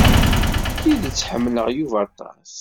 Deg tidet, ḥemmleɣ Yuba aṭas.